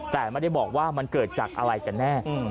แต่ไม่ได้บอกว่ามันเกิดจากอะไรกันแน่